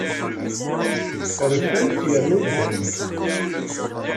Rfant yernu ddant.